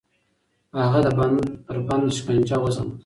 هغه د بند پر بند شکنجه وزغمله.